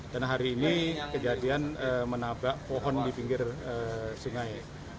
dan hari ini kejadian menabrak pohon di pinggir sungai